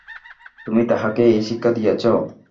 তুমি তাহাকে এই শিক্ষা দিয়াছ!